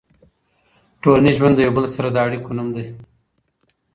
ټولنیز ژوند د یو بل سره د اړیکو نوم دی.